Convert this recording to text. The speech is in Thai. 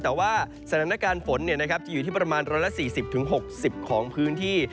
แต่ว่าสถานการณ์ฝนจะอยู่ที่ประมาณ๑๔๐๖๐ของพื้นที่